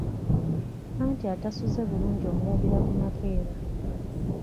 Anti atasuzze bulungi omulabira ku makeera.